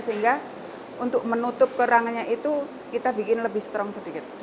sehingga untuk menutup kerangannya itu kita bikin lebih strong sedikit cuma itu aja